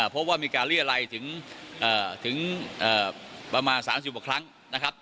เพราะว่ามีการเรียรัยถึงประมาณ๓๐กว่าครั้งนะครับ